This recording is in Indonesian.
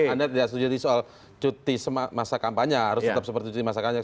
anda tidak setuju soal cuti masa kampanye harus tetap seperti cuti masa kampanye